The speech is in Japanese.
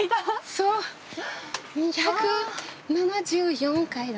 そう２７４階段。